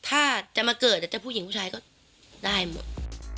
ถ้าจะมาเกิดจะผู้หญิงผู้ชายก็ได้หมด